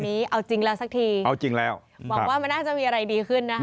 นี้เอาจริงแล้วสักทีเอาจริงแล้วหวังว่ามันน่าจะมีอะไรดีขึ้นนะคะ